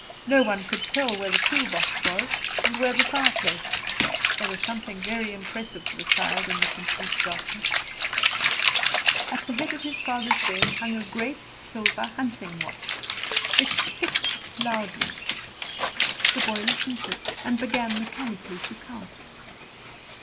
No one could tell where the toolbox was, and where the fireplace. There was something very impressive to the child in the complete darkness. At the head of his father's bed hung a great silver hunting watch. It ticked loudly. The boy listened to it, and began mechanically to count.